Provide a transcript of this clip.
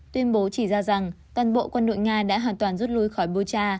tuyên bố chỉ ra rằng toàn bộ quân đội nga đã hoàn toàn rút lui khỏi bưucha